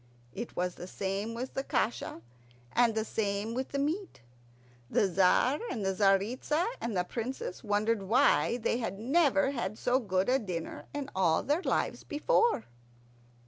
It was the same with the kasha and the same with the meat. The Tzar and the Tzaritza and the Princess wondered why they had never had so good a dinner in all their lives before.